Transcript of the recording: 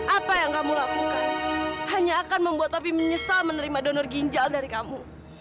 apa yang kamu lakukan hanya akan membuat tapi menyesal menerima donor ginjal dari kamu